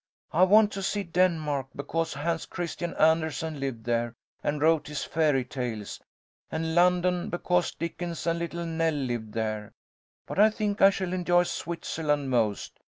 I want to see Denmark, because Hans Christian Andersen lived there, and wrote his fairy tales, and London, because Dickens and Little Nell lived there. But I think I shall enjoy Switzerland most.